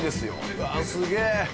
うわすげぇ！